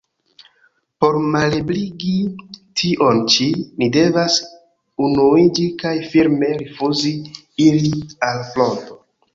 Por malebligi tion ĉi, ni devas unuiĝi kaj firme rifuzi iri al fronto.